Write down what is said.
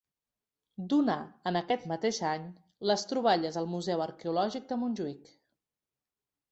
Donà, en aquest mateix any, les troballes al Museu Arqueològic de Montjuïc.